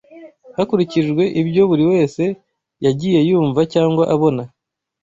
hakurikijwe ibyo buri wese yagiye yumva cyangwa abona